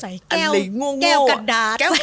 ใส่แก้วกระดาษ